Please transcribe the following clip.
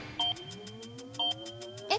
えっ？